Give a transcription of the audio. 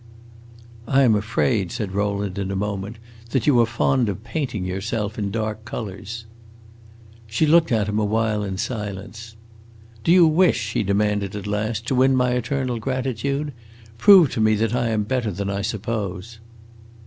"I am afraid," said Rowland, in a moment, "that you are fond of painting yourself in dark colors." She looked at him a while in silence. "Do you wish," she demanded at last, "to win my eternal gratitude? Prove to me that I am better than I suppose."